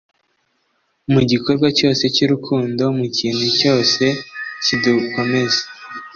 mu gikorwa cyose cy'urukundo, mu kintu cyose kidukomeza,